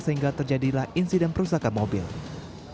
ketika mereka berada di kota mereka sudah selesai berada di kota